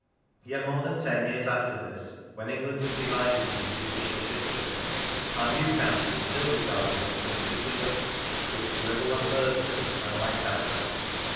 Yet, more than ten years after this, when England was divided into judicial districts, our new county is still regarded as consisting of u 'Twixt Ribble and Mersey" and " Lancaster."